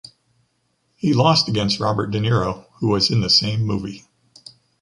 He lost against Robert De Niro, who was in the same movie.